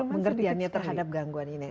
pengertiannya terhadap gangguan ini